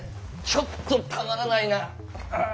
ちょっとたまらないなぁ。